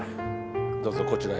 どうぞこちらへ。